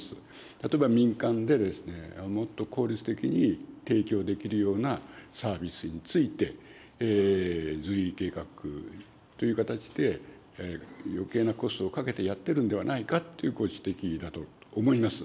例えば民間で、もっと効率的に提供できるようなサービスについて、随意契約という形で、よけいなコストをかけてやってるんではないかというご指摘だと思います。